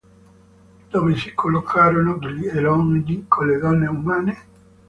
Dove si collocarono gli elohim con le donne umane?